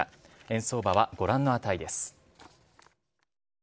円相場はご覧の値です。